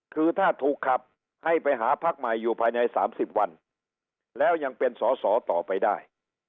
คือถ้าถูกขับให้ไปหาพักใหม่อยู่ภายใน๓๐วันแล้วยังเป็นสอสอต่อไปได้